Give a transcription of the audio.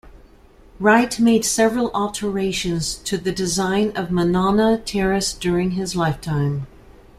Wright made several alterations to the design of Monona Terrace during his lifetime.